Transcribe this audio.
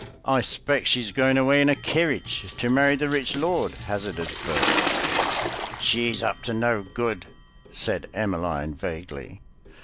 "I 'spect she's going away in a kerridge to marry the rich lord," hazarded Bert. "She's up to no good," said Emmeline vaguely.